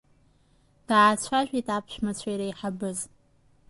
Даацәажәеит аԥшәмацәа иреиҳабыз.